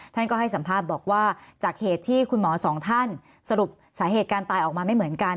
ท่านก็ให้สัมภาษณ์บอกว่าจากเหตุที่คุณหมอสองท่านสรุปสาเหตุการตายออกมาไม่เหมือนกัน